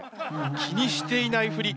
気にしていないふり。